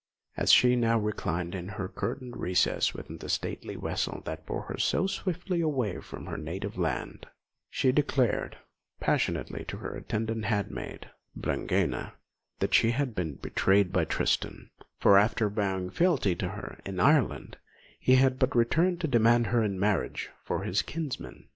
As she now reclined in her curtained recess within the stately vessel that bore her so swiftly away from her native land, she declared passionately to her attendant handmaid, Brangæna, that she had been betrayed by Tristan; for after vowing fealty to her in Ireland, he had but returned to demand her in marriage for his kinsman.